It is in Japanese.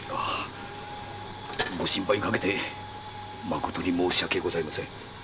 ご心配かけて申し訳ございません。